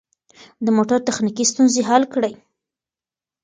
د موټر تخنیکي ستونزې حل کړئ.